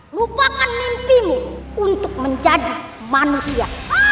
lupakan mimpimu untuk menjadi manusia